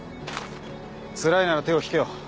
つらいなら手を引けよ。